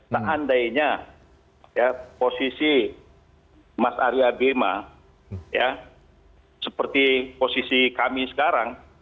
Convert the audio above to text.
tak andainya ya posisi mas arya bima ya seperti posisi kami sekarang